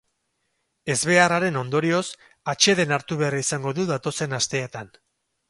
Ezbeharraren ondorioz, atseden hartu behar izango du datozen asteetan.